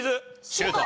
シュート！